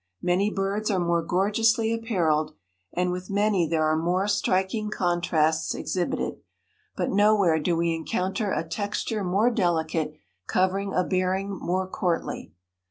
Many birds are more gorgeously appareled, and with many there are more striking contrasts exhibited, but nowhere do we encounter a texture more delicate covering a bearing more courtly.